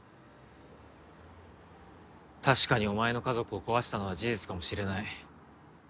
確かにお前の家族を壊したのは事実かもしれない